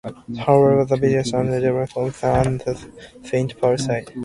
However, the business and advertising offices are on the Saint Paul side.